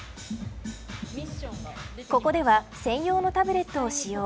ここでは専用のタブレットを使用。